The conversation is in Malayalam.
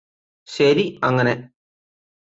ശരി അങ്ങനെ